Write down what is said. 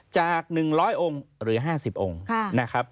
จาก๑๐๐องค์เหลือ๕๐องค์